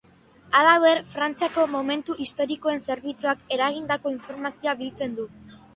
Halaber, Frantziako monumentu historikoen zerbitzuak eragindako informazioa biltzen du.